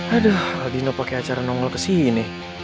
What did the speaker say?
aduh aldino pake acara nongol kesini